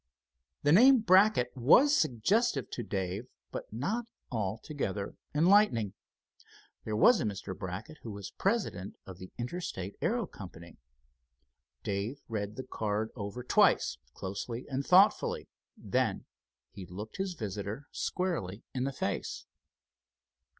The name Brackett was suggestive to Dave, but not altogether enlightening. There was a Mr. Brackett who was president of the Interstate Aero Company. Dave read the card over twice, closely and thoughtfully, then he looked his visitor squarely in the face.